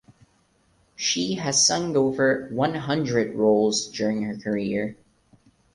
She has sung over one hundred roles during her career.